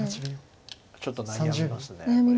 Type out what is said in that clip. ちょっと悩みますこれ。